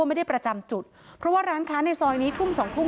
ไม่ได้ประจำจุดเพราะว่าร้านค้าในซอยนี้ทุ่มสองทุ่ม